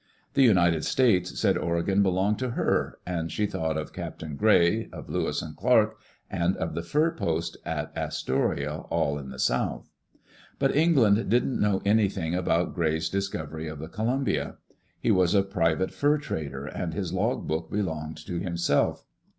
The United States said Oregon belonged to her, and she thought of Captain Gray, of Lewis and Clarke and of the fur post at Astoria, all in the south. But England didn't know anything about Gray's dis covery of the Columbia. He was a private fur trader, and his log book belonged to himself.